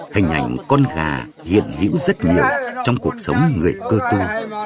hình ảnh con gà hiện hữu rất nhiều trong cuộc sống người cơ tu